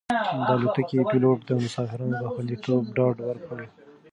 د الوتکې پېلوټ د مسافرانو د خوندیتوب ډاډ ورکړ.